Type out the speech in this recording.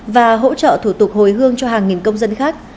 và hỗ trợ thủ tục hồi hương cho hàng nghìn công dân khác